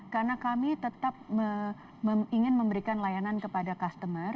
karena kami tetap ingin memberikan layanan kepada customer